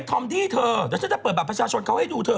ทอมดี้เธอเดี๋ยวฉันจะเปิดบัตรประชาชนเขาให้ดูเธอ